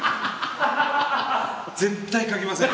絶対書きません。